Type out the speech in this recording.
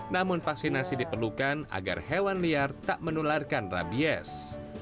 namun vaksinasi diperlukan agar hewan liar tak menularkan rabies